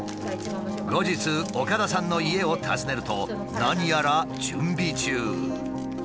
後日岡田さんの家を訪ねると何やら準備中。